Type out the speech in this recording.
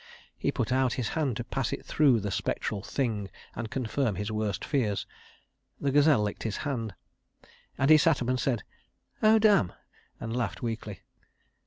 Then he put out his hand to pass it through the spectral Thing and confirm his worst fears. The gazelle licked his hand, and he sat up and said: "Oh, damn!" and laughed weakly.